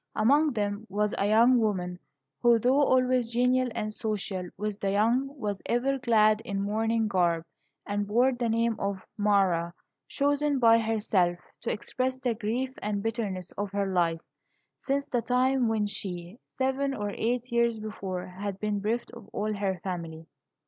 Among them was a young woman who, though always genial and social with the young, was ever clad in mourning garb, and bore the name of Mara, chosen by herself to express the grief and bitterness of her life, since the time when she, seven or eight years before, had been bereft of all her family.